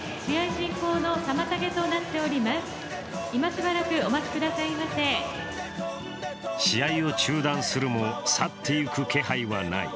しかたなく試合を中断するも去っていく気配はない。